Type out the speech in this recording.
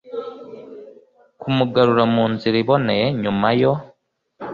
Kumugarura mu nzira iboneye nyuma yo